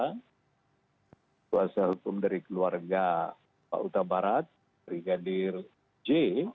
kami juga diminta keterangan dari tim kuasa hukum dari keluarga pak uta barat brigadir j